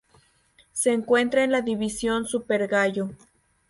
Se encuentra en la división Supergallo.